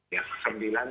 yang ke sembilan kemudian